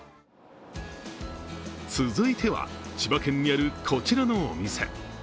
続いては、千葉県にあるこちらのお店。